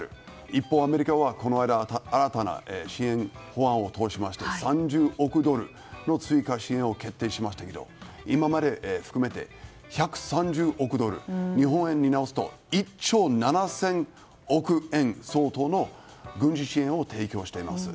一方、アメリカはこの間新たな支援法案を通しまして３０億ドルの追加支援を決定しましたけど今までを含めて１３０億ドル日本円に直すと１兆７０００億円相当の軍事支援を提供しています。